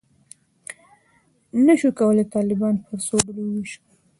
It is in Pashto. نه شو کولای طالبان پر څو ډلو وویشو.